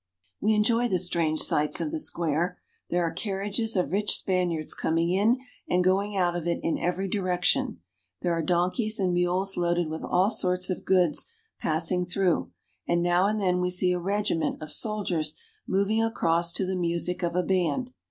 We enjoy the strange sights of the square. There are carriages of rich Spaniards coming in and going out of it in every direction; there are donkeys and mules loaded with all sorts of goods passing through, and now and then we see a regiment of soldiers moving across to the music of a band.